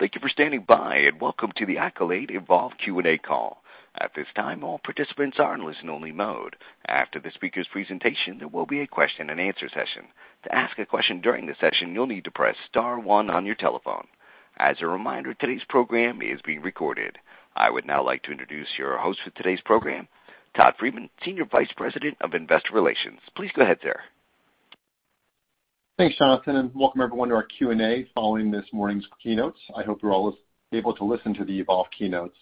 Thank you for standing by, and welcome to the Accolade Evolve Q&A Call. At this time, all participants are in listen only mode. After the speaker's presentation, there will be a question-and-answer session. To ask a question during the session, you'll need to press star 1 on your telephone. As a reminder, today's program is being recorded. I would now like to introduce your host for today's program, Todd Friedman, Senior Vice President of Investor Relations. Please go ahead, sir. Thanks, Jonathan, and welcome everyone to our Q&A following this morning's keynotes. I hope you're all able to listen to the EVOLVE keynotes.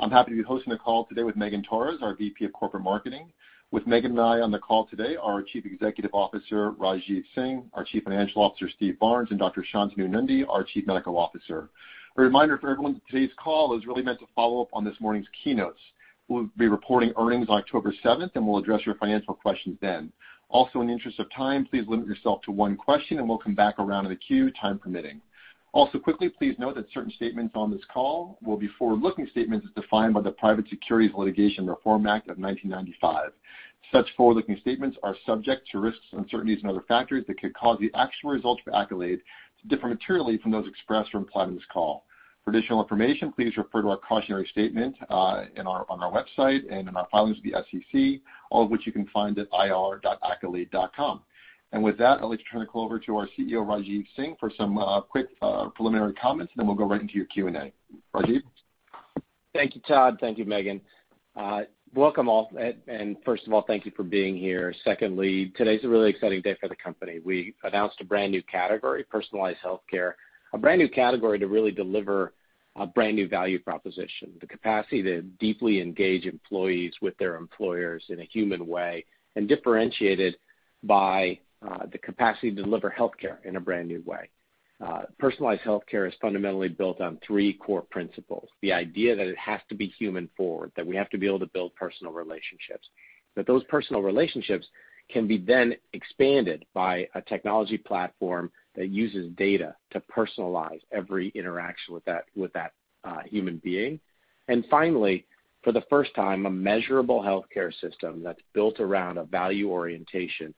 I'm happy to be hosting the call today with Megan Torres, our VP of Corporate Marketing. With Megan and I on the call today, our Chief Executive Officer, Rajeev Singh, our Chief Financial Officer, Steve Barnes, and Dr. Shantanu Nundy, our Chief Medical Officer. A reminder for everyone that today's call is really meant to follow up on this morning's keynotes. We'll be reporting earnings October 7th, and we'll address your financial questions then. In the interest of time, please limit yourself to 1 question, and we'll come back around to the queue, time permitting. Quickly, please note that certain statements on this call will be forward-looking statements as defined by the Private Securities Litigation Reform Act of 1995. Such forward-looking statements are subject to risks, uncertainties, and other factors that could cause the actual results for Accolade to differ materially from those expressed or implied on this call. For additional information, please refer to our cautionary statement on our website and in our filings with the SEC, all of which you can find at ir.accolade.com. With that, I'd like to turn the call over to our CEO, Rajeev Singh, for some quick preliminary comments. We'll go right into your Q&A. Rajeev? Thank you, Todd. Thank you, Megan. Welcome all, and first of all, thank you for being here. Secondly, today's a really exciting day for the company. We announced a brand new category, personalized healthcare, a brand new category to really deliver a brand new value proposition, the capacity to deeply engage employees with their employers in a human way, and differentiated by the capacity to deliver healthcare in a brand new way. Personalized healthcare is fundamentally built on three core principles, the idea that it has to be human forward, that we have to be able to build personal relationships, that those personal relationships can be then expanded by a technology platform that uses data to personalize every interaction with that human being. Finally, for the first time, a measurable healthcare system that's built around a value orientation,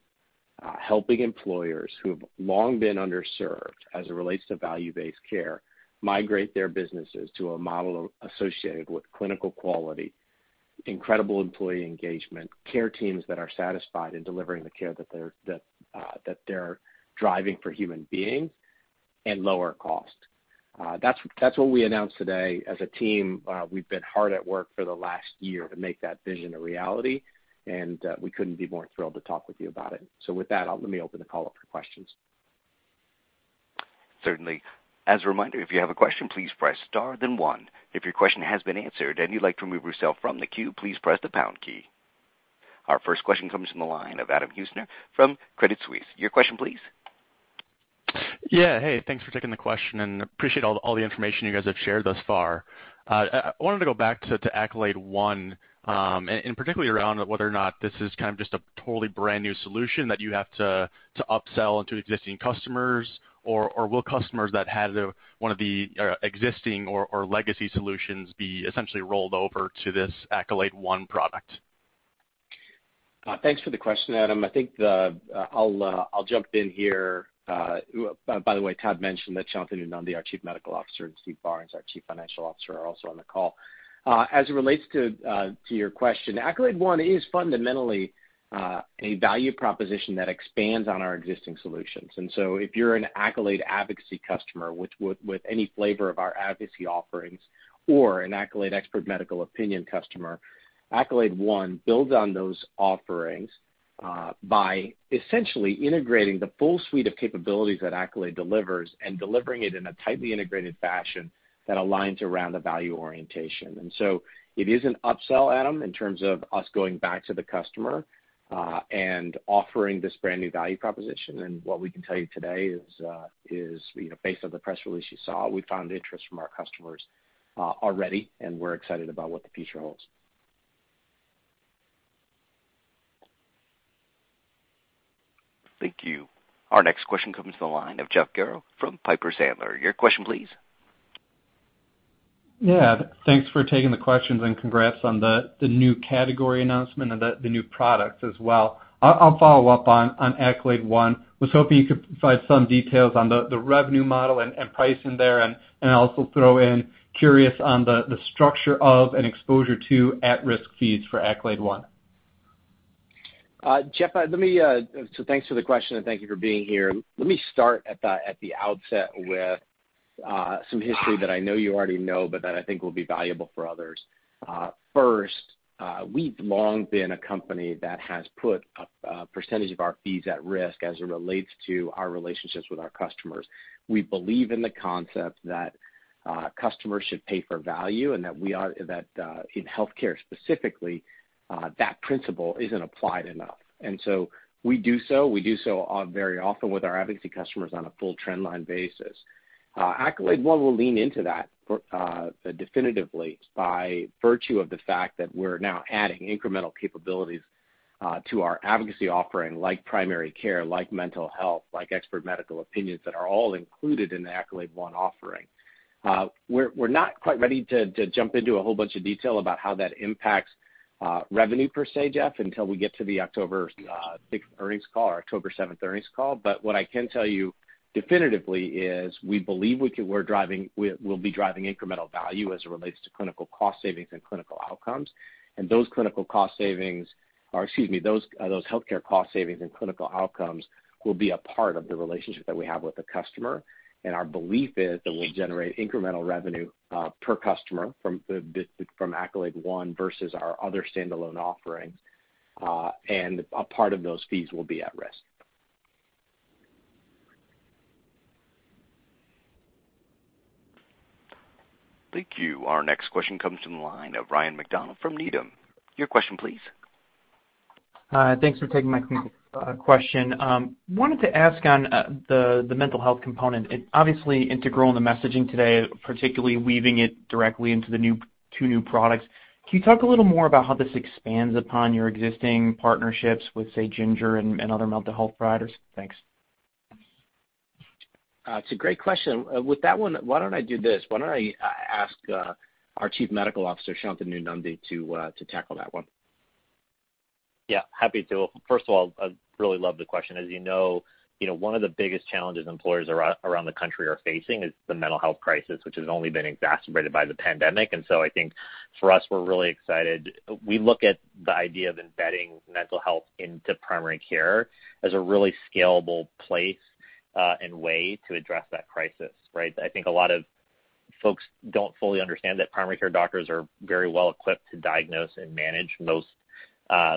helping employers who have long been underserved as it relates to value-based care migrate their businesses to a model associated with clinical quality, incredible employee engagement, care teams that are satisfied in delivering the care that they're driving for human beings, and lower cost. That's what we announced today. As a team, we've been hard at work for the last year to make that vision a reality, and we couldn't be more thrilled to talk with you about it. With that, let me open the call up for questions. Certainly. As a reminder, if you have a question, please press star then one. If your question has been answered and you'd like to remove yourself from the queue, please press the pound key. Our first question comes from the line of Adam Heussner from Credit Suisse. Your question please. Yeah. Hey, thanks for taking the question and appreciate all the information you guys have shared thus far. I wanted to go back to Accolade One, and particularly around whether or not this is kind of just a totally brand new solution that you have to upsell into existing customers, or will customers that had one of the existing or legacy solutions be essentially rolled over to this Accolade One product? Thanks for the question, Adam. I think I'll jump in here. By the way, Todd mentioned that Shantanu Nundy, our Chief Medical Officer, and Steve Barnes, our Chief Financial Officer, are also on the call. As it relates to your question, Accolade One is fundamentally a value proposition that expands on our existing solutions. If you're an Accolade Advocacy customer with any flavor of our advocacy offerings or an Accolade Expert Medical Opinion customer, Accolade One builds on those offerings by essentially integrating the full suite of capabilities that Accolade delivers and delivering it in a tightly integrated fashion that aligns around the value orientation. It is an upsell, Adam, in terms of us going back to the customer, and offering this brand new value proposition. What we can tell you today is based on the press release you saw, we found interest from our customers already, and we're excited about what the future holds. Thank you. Our next question comes from the line of Jeff Garro from Piper Sandler. Your question please. Thanks for taking the questions and congrats on the new category announcement and the new products as well. I'll follow up on Accolade One. Was hoping you could provide some details on the revenue model and pricing there and also throw in curious on the structure of an exposure to at-risk fees for Accolade One. Jeff, thanks for the question and thank you for being here. Let me start at the outset with some history that I know you already know, but that I think will be valuable for others. First, we've long been a company that has put a percentage of our fees at risk as it relates to our relationships with our customers. We believe in the concept that customers should pay for value and that in healthcare specifically, that principle isn't applied enough. We do so very often with our advocacy customers on a full trend line basis. Accolade One will lean into that definitively by virtue of the fact that we're now adding incremental capabilities to our advocacy offering, like primary care, like mental health, like expert medical opinions that are all included in the Accolade One offering. We're not quite ready to jump into a whole bunch of detail about how that impacts revenue per se, Jeff, until we get to the October 6 earnings call, or October 7 earnings call. What I can tell you definitively is we believe we'll be driving incremental value as it relates to clinical cost savings and clinical outcomes. Those healthcare cost savings and clinical outcomes will be a part of the relationship that we have with the customer. Our belief is that we'll generate incremental revenue, per customer from Accolade One versus our other standalone offerings. A part of those fees will be at risk. Thank you. Our next question comes from the line of Ryan MacDonald from Needham. Your question please. Thanks for taking my question. Wanted to ask on the mental health component, obviously integral in the messaging today, particularly weaving it directly into the two new products. Can you talk a little more about how this expands upon your existing partnerships with, say, Ginger and other mental health providers? Thanks. It's a great question. With that one, why don't I do this? Why don't I ask our Chief Medical Officer, Shantanu Nundy, to tackle that one? Yeah, happy to. First of all, I really love the question. As you know, one of the biggest challenges employers around the country are facing is the mental health crisis, which has only been exacerbated by the pandemic. I think for us, we're really excited. We look at the idea of embedding mental health into primary care as a really scalable place, and way to address that crisis, right? I think a lot of folks don't fully understand that primary care doctors are very well equipped to diagnose and manage most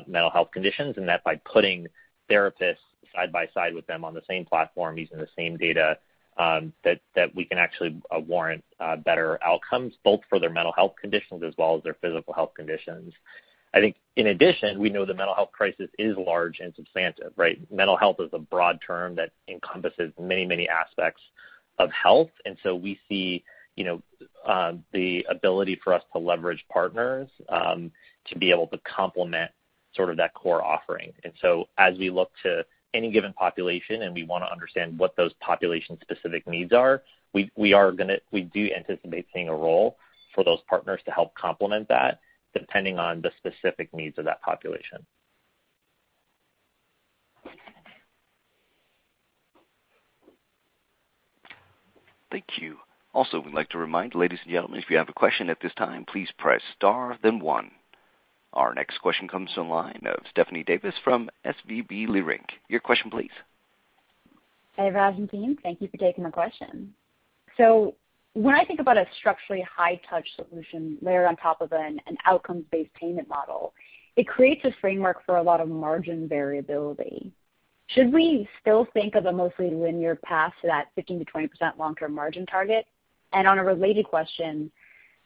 mental health conditions, and that by putting therapists side by side with them on the same platform using the same data, that we can actually warrant better outcomes, both for their mental health conditions as well as their physical health conditions. I think in addition, we know the mental health crisis is large and substantive, right? Mental health is a broad term that encompasses many aspects of health. We see the ability for us to leverage partners to be able to complement that core offering. As we look to any given population, and we want to understand what those population specific needs are, we do anticipate seeing a role for those partners to help complement that, depending on the specific needs of that population. Thank you. We'd like to remind ladies and gentlemen, if you have a question at this time, please press star then one. Our next question comes to the line of Stephanie Davis from SVB Leerink. Your question please. Hey, Raj and team. Thank you for taking my question. When I think about a structurally high touch solution layered on top of an outcomes-based payment model, it creates this framework for a lot of margin variability. Should we still think of a mostly linear path to that 15%-20% long-term margin target? On a related question,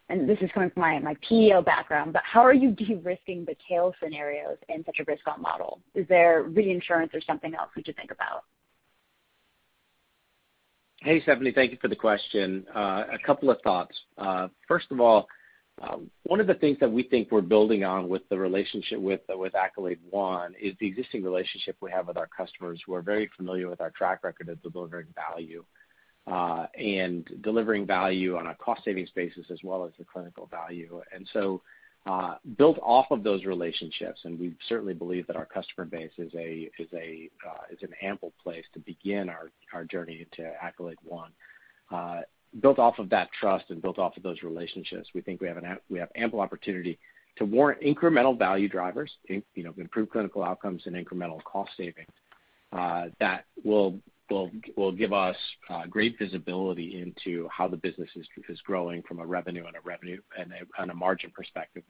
and this is coming from my PEO background, but how are you de-risking the tail scenarios in such a risk-on model? Is there reinsurance or something else we should think about? Hey, Stephanie. Thank you for the question. A couple of thoughts. First of all, one of the things that we think we're building on with the relationship with Accolade One is the existing relationship we have with our customers who are very familiar with our track record of delivering value, and delivering value on a cost savings basis as well as the clinical value. Build off of those relationships, and we certainly believe that our customer base is an ample place to begin our journey into Accolade One. Built off of that trust and built off of those relationships, we think we have ample opportunity to warrant incremental value drivers, improved clinical outcomes and incremental cost savings, that will give us great visibility into how the business is growing from a revenue and a margin perspective.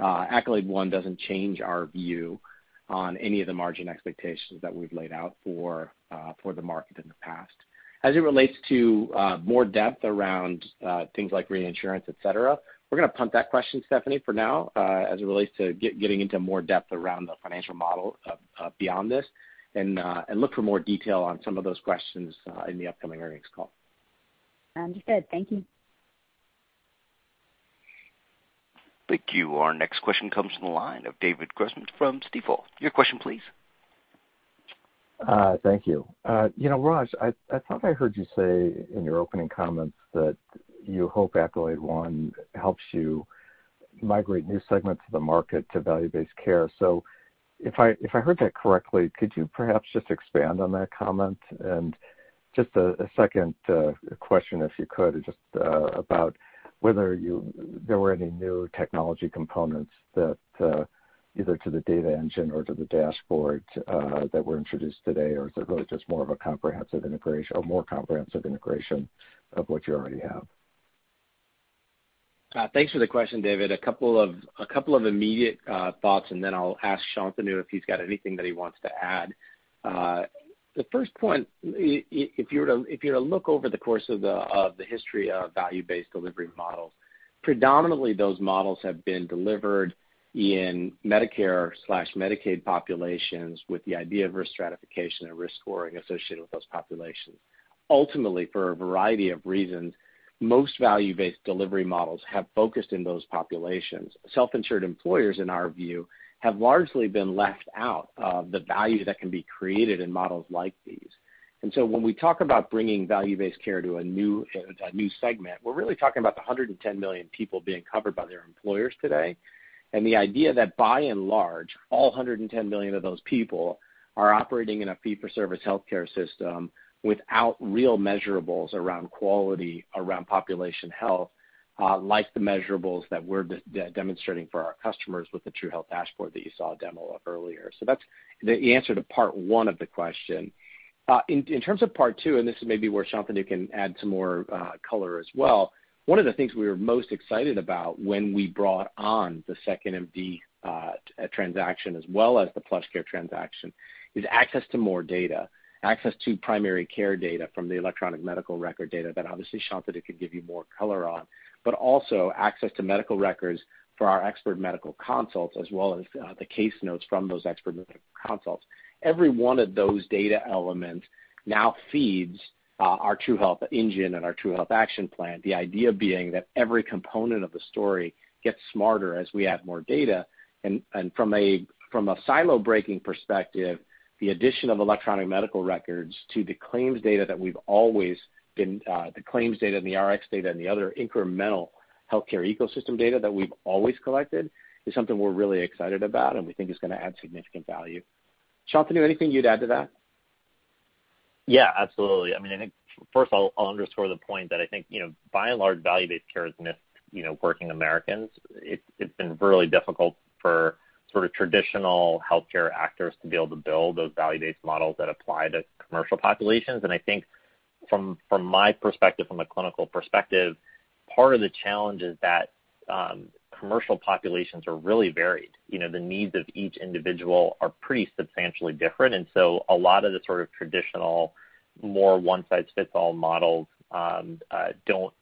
Accolade One doesn't change our view on any of the margin expectations that we've laid out for the market in the past. As it relates to more depth around things like reinsurance, et cetera, we're going to punt that question, Stephanie, for now, as it relates to getting into more depth around the financial model beyond this, and look for more detail on some of those questions in the upcoming earnings call. Understood. Thank you. Thank you. Our next question comes from the line of David Grossman from Stifel. Your question please. Thank you. Rajeev Singh, I thought I heard you say in your opening comments that you hope Accolade One helps you migrate new segments of the market to value-based care. If I heard that correctly, could you perhaps just expand on that comment? Just a second question, if you could, just about whether there were any new technology components either to the True Health engine or to the Total Health and Benefits dashboard, that were introduced today, or is it really just more of a comprehensive integration of what you already have? Thanks for the question, David. A couple of immediate thoughts, and then I'll ask Shantanu if he's got anything that he wants to add. The first point, if you were to look over the course of the history of value-based delivery models, predominantly those models have been delivered in Medicare/Medicaid populations with the idea of risk stratification and risk scoring associated with those populations. Ultimately, for a variety of reasons, most value-based delivery models have focused in those populations. Self-insured employers, in our view, have largely been left out of the value that can be created in models like these. When we talk about bringing value-based care to a new segment, we're really talking about the 110 million people being covered by their employers today, and the idea that by and large, all 110 million of those people are operating in a fee-for-service healthcare system without real measurables around quality, around population health, like the measurables that we're demonstrating for our customers with the True Health dashboard that you saw a demo of earlier. That's the answer to part 1 of the question. In terms of part two, and this is maybe where Shantanu can add some more color as well, one of the things we were most excited about when we brought on the 2nd.MD transaction as well as the PlushCare transaction, is access to more data, access to primary care data from the electronic medical record data that obviously Shantanu could give you more color on, but also access to medical records for our expert medical consults as well as the case notes from those expert medical consults. Every one of those data elements now feeds our True Health engine and our True Health action plan, the idea being that every component of the story gets smarter as we add more data. From a silo-breaking perspective, the addition of electronic medical records to the claims data and the RX data, and the other incremental healthcare ecosystem data that we've always collected, is something we're really excited about and we think is going to add significant value. Shantanu, anything you'd add to that? Yeah, absolutely. I think first I'll underscore the point that I think, by and large, value-based care has missed working Americans. It's been really difficult for traditional healthcare actors to be able to build those value-based models that apply to commercial populations. I think from my perspective, from a clinical perspective, part of the challenge is that commercial populations are really varied. The needs of each individual are pretty substantially different, so a lot of the traditional more one-size-fits-all models don't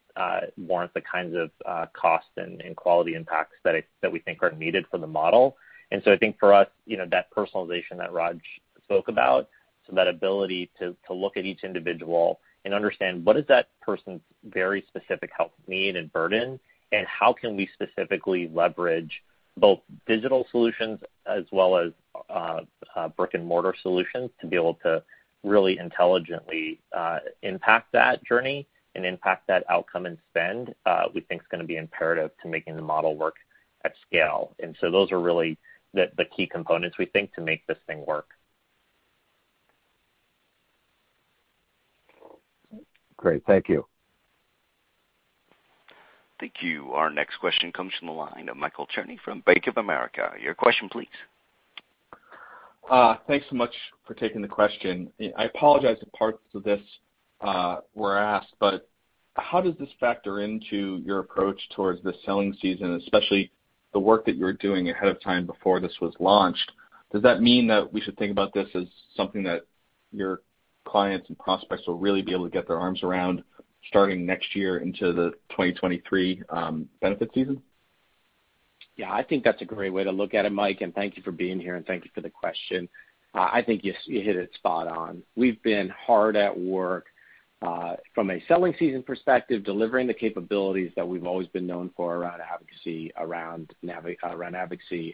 warrant the kinds of costs and quality impacts that we think are needed for the model. I think for us, that personalization that Raj spoke about, so that ability to look at each individual and understand what is that person's very specific health need and burden, and how can we specifically leverage both digital solutions as well as brick-and-mortar solutions to be able to really intelligently impact that journey and impact that outcome and spend, we think is going to be imperative to making the model work at scale. Those are really the key components we think to make this thing work. Great. Thank you. Thank you. Our next question comes from the line of Michael Cherny from Bank of America. Your question, please. Thanks so much for taking the question. I apologize if parts of this were asked, but how does this factor into your approach towards the selling season, especially the work that you were doing ahead of time before this was launched? Does that mean that we should think about this as something that your clients and prospects will really be able to get their arms around starting next year into the 2023 benefit season? Yeah. I think that's a great way to look at it, Michael, and thank you for being here, and thank you for the question. I think you hit it spot on. We've been hard at work, from a selling season perspective, delivering the capabilities that we've always been known for around Advocacy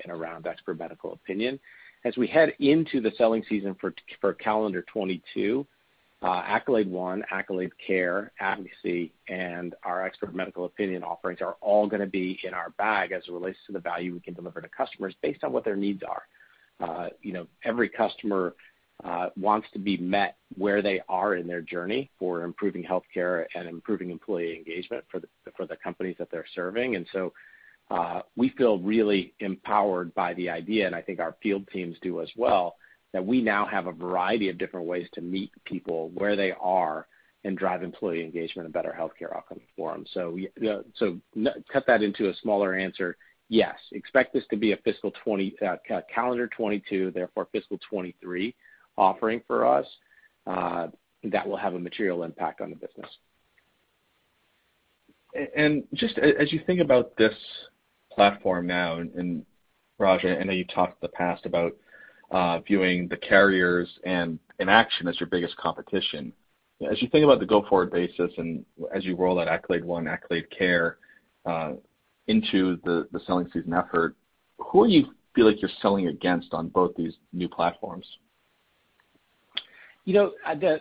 and around Expert Medical Opinion. As we head into the selling season for calendar 2022, Accolade One, Accolade Care, Advocacy, and our Expert Medical Opinion offerings are all going to be in our bag as it relates to the value we can deliver to customers based on what their needs are. Every customer wants to be met where they are in their journey for improving healthcare and improving employee engagement for the companies that they're serving. We feel really empowered by the idea, and I think our field teams do as well, that we now have a variety of different ways to meet people where they are and drive employee engagement and better healthcare outcomes for them. Cut that into a smaller answer, yes. Expect this to be a calendar 2022, therefore fiscal 2023 offering for us, that will have a material impact on the business. Just as you think about this platform now, Rajeev, I know you've talked in the past about viewing the carriers and inaction as your biggest competition. As you think about the go-forward basis and as you roll out Accolade One, Accolade Care into the selling season effort, who do you feel like you're selling against on both these new platforms?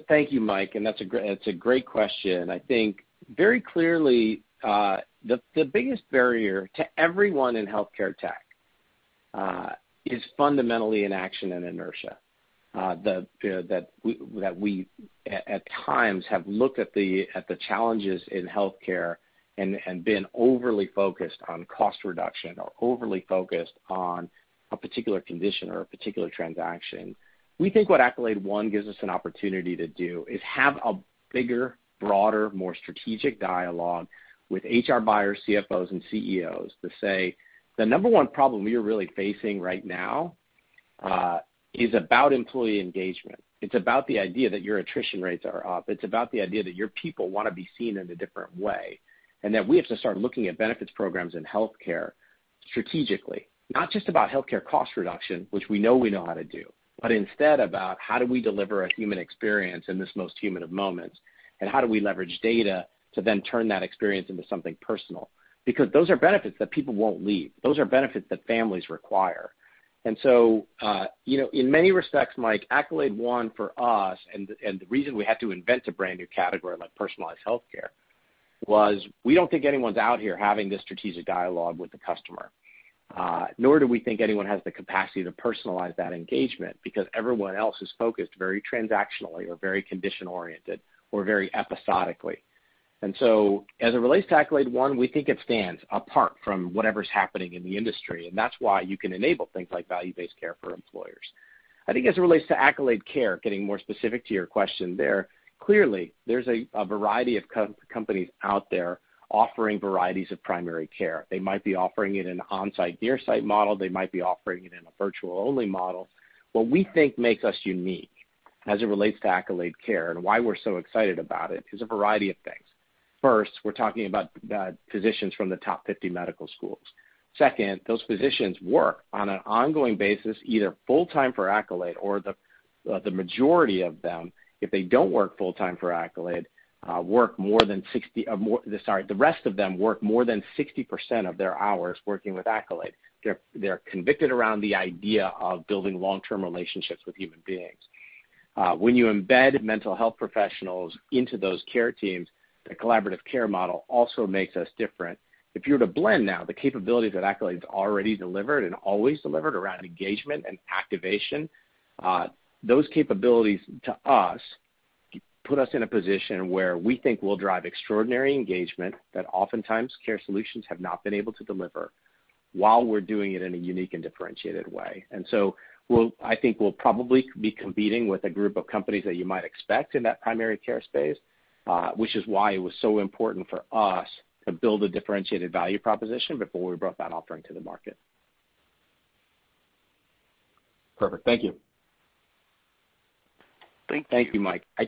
Thank you, Mike. That's a great question. I think very clearly, the biggest barrier to everyone in healthcare tech is fundamentally inaction and inertia. We at times have looked at the challenges in healthcare and been overly focused on cost reduction or overly focused on a particular condition or a particular transaction. We think what Accolade One gives us an opportunity to do is have a bigger, broader, more strategic dialogue with HR buyers, CFOs, and CEOs to say, The number one problem we are really facing right now is about employee engagement. It's about the idea that your attrition rates are up. It's about the idea that your people want to be seen in a different way, and that we have to start looking at benefits programs and healthcare strategically, not just about healthcare cost reduction, which we know we know how to do, but instead about how do we deliver a human experience in this most human of moments, and how do we leverage data to then turn that experience into something personal? Those are benefits that people won't leave. Those are benefits that families require. In many respects, Mike, Accolade One for us, and the reason we had to invent a brand-new category like personalized healthcare, was we don't think anyone's out here having this strategic dialogue with the customer. Nor do we think anyone has the capacity to personalize that engagement because everyone else is focused very transactionally or very condition-oriented or very episodically. As it relates to Accolade One, we think it stands apart from whatever's happening in the industry, and that's why you can enable things like value-based care for employers. I think as it relates to Accolade Care, getting more specific to your question there, clearly, there's a variety of companies out there offering varieties of primary care. They might be offering it in an on-site, near site model. They might be offering it in a virtual-only model. What we think makes us unique as it relates to Accolade Care and why we're so excited about it is a variety of things. First, we're talking about physicians from the top 50 medical schools. Second, those physicians work on an ongoing basis, either full-time for Accolade or the majority of them, if they don't work full-time for Accolade, the rest of them work more than 60% of their hours working with Accolade. They're convicted around the idea of building long-term relationships with human beings. When you embed mental health professionals into those care teams, the collaborative care model also makes us different. If you were to blend now the capabilities that Accolade's already delivered and always delivered around engagement and activation, those capabilities, to us, put us in a position where we think we'll drive extraordinary engagement that oftentimes care solutions have not been able to deliver while we're doing it in a unique and differentiated way. I think we'll probably be competing with a group of companies that you might expect in that primary care space, which is why it was so important for us to build a differentiated value proposition before we brought that offering to the market. Perfect. Thank you. Thank you. Thank you,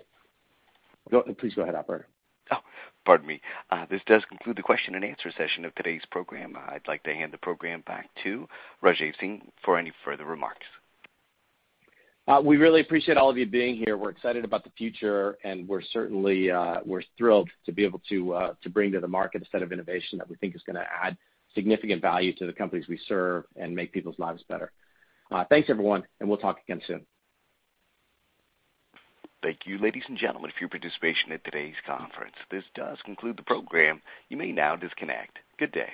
Mike. Please go ahead, operator. Oh, pardon me. This does conclude the question-and-answer session of today's program. I'd like to hand the program back to Rajeev Singh for any further remarks. We really appreciate all of you being here. We're excited about the future, and we're certainly thrilled to be able to bring to the market a set of innovation that we think is going to add significant value to the companies we serve and make people's lives better. Thanks, everyone, and we'll talk again soon. Thank you, ladies and gentlemen, for your participation in today's conference. This does conclude the program. You may now disconnect. Good day.